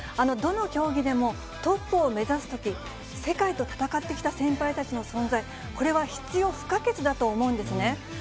どの競技でも、トップを目指すとき、世界と戦ってきた先輩たちの存在、これは必要不可欠だと思うんですね。